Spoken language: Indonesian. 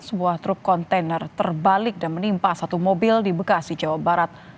sebuah truk kontainer terbalik dan menimpa satu mobil di bekasi jawa barat